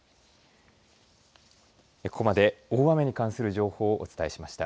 ここまで大雨に関する情報をお伝えしました。